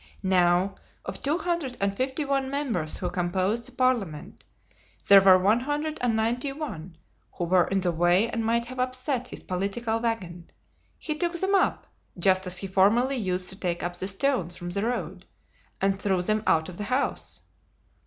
Now, of two hundred and fifty one members who composed the parliament, there were one hundred and ninety one who were in the way and might have upset his political wagon. He took them up, just as he formerly used to take up the stones from the road, and threw them out of the house."